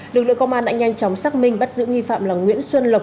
lực lượng công an đã nhanh chóng xác minh bắt giữ nghi phạm là nguyễn xuân lộc